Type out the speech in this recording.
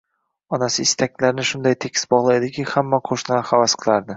Onasi istaklarni shunday tekis bog‘lar ediki, hamma qo‘shnilar havas qilardi